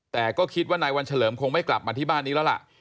แต่ก็คิดว่านายวันเฉลิมคงไม่กลับมาที่บ้านนี้แล้วล่ะ